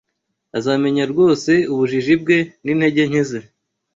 azamenya rwose ubujiji bwe n’intege nke ze